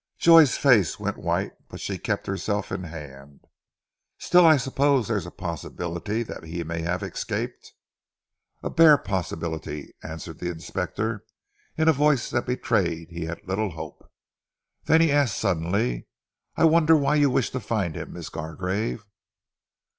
Joy's face went white, but she kept herself in hand. "Still I suppose there is a possibility that he may have escaped?" "A bare possibility," answered the inspector in a voice that betrayed he had little hope. Then he asked suddenly, "I wonder why you wish to find him, Miss Gargrave?"